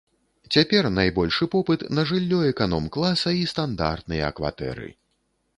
Цяпер найбольшы попыт на жыллё эканом-класа і стандартныя кватэры.